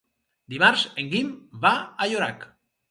Dimarts en Guim va a Llorac.